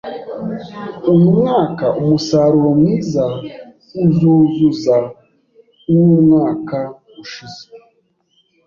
Uyu mwaka umusaruro mwiza uzuzuza uwumwaka ushize.